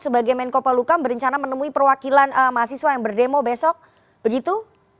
bagaimana cara bg menko pelukam berencana menemui perwakilan mahasiswa yang berdemo besok begitu